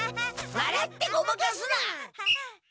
わらってごまかすな！